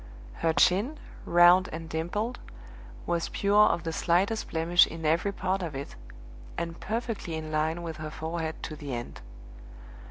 Her chin, round and dimpled, was pure of the slightest blemish in every part of it, and perfectly in line with her forehead to the end.